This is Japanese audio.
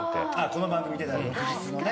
この番組出た翌日のね。